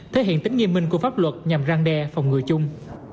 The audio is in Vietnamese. thể hiện tính nghiêm minh của pháp luật nhằm răng đe phòng ngừa chung